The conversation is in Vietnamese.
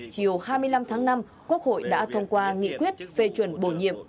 chiều hai mươi năm tháng năm quốc hội đã thông qua nghị quyết phê chuẩn bổ nhiệm